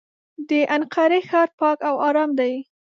د انقرې ښار پاک او ارام دی.